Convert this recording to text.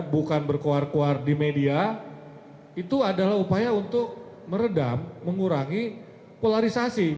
bukan berkuar kuar di media itu adalah upaya untuk meredam mengurangi polarisasi